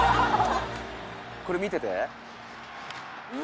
「これ見てて」